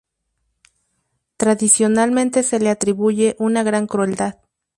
Tradicionalmente se le atribuye una gran crueldad.